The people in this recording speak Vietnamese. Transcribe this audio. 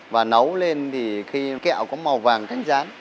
và nấu lên thì khi kẹo có màu vàng cánh rán